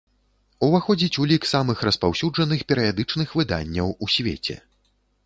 Уваходзіць у лік самых распаўсюджаных перыядычных выданняў у свеце.